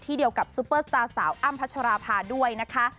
เดียวกับซุปเปอร์สตาร์สาวอ้ำพัชราภาด้วยนะคะ